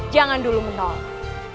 jangan dulu menolak